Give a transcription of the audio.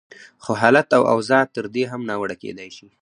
خو حالت او اوضاع تر دې هم ناوړه کېدای شي.